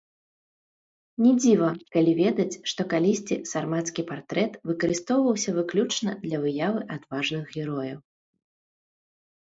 Не дзіва, калі ведаць, што калісьці сармацкі партрэт выкарыстоўваўся выключна для выявы адважных герояў.